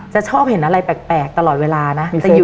จะชอบเห็นอะไรแปลกตลอดเวลานะ